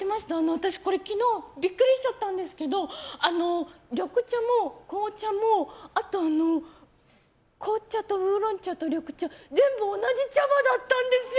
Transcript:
私、昨日ビックリしちゃったんですけど緑茶も紅茶もあと、あの紅茶とウーロン茶と緑茶全部同じ茶葉だったんですよ！